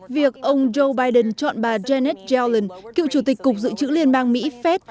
việc ông joe biden chọn bà janet yellen cựu chủ tịch cục dự trữ liên bang mỹ phép